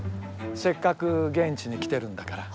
せっかく現地に来てるんだから。